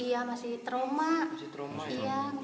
iya masih trauma